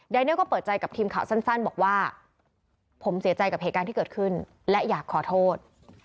เนลก็เปิดใจกับทีมข่าวสั้นบอกว่าผมเสียใจกับเหตุการณ์ที่เกิดขึ้นและอยากขอโทษ